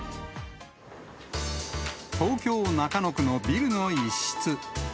東京・中野区のビルの一室。